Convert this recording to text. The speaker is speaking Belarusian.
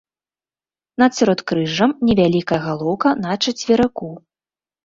Над сяродкрыжжам невялікая галоўка на чацверыку.